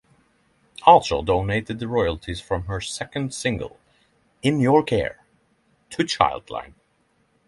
Archer donated the royalties from her second single "In Your Care" to Childline.